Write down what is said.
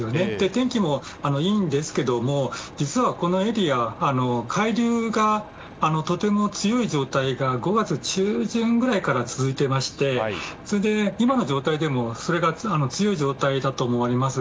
天気もいいんですが実は、このエリアは海流がとても強い状態が５月中旬ぐらいから続いていまして、今の状態でも強い状態だと思われます。